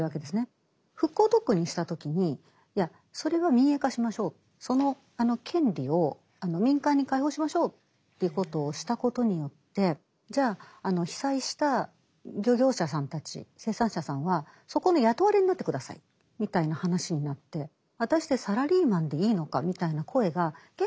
復興特区にした時にいやそれは民営化しましょうその権利を民間に開放しましょうということをしたことによってじゃあ被災した漁業者さんたち生産者さんはそこの雇われになって下さいみたいな話になって果たしてサラリーマンでいいのかみたいな声が現地では結構出たんですね。